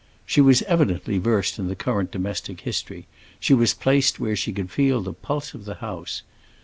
She was evidently versed in the current domestic history; she was placed where she could feel the pulse of the house.